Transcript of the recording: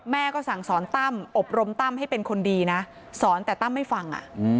ก็สั่งสอนตั้มอบรมตั้มให้เป็นคนดีนะสอนแต่ตั้มไม่ฟัง